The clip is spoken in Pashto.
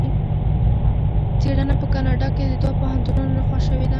څېړنه په کاناډا کې د دوه پوهنتونونو لخوا شوې ده.